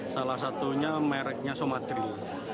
salah satunya mereknya somadril